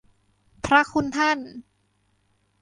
พระคุณท่าน